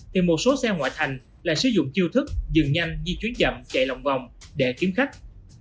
thì một số xe ngoại thành lại sử dụng chiêu thức dừng nhanh di chuyển chậm chạy lòng vòng để kiếm khách